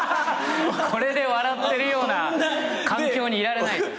これで笑ってるような環境にいられない。